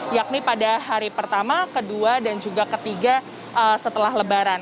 yakni pada hari pertama kedua dan juga ketiga setelah lebaran